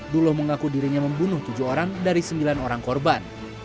duloh mengaku dirinya membunuh tujuh orang dari sembilan orang korban